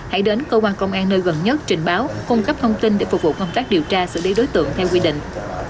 hãy đến cơ quan công an nơi gần nhất trình báo cung cấp thông tin để phục vụ công tác điều tra xử lý đối tượng theo quy định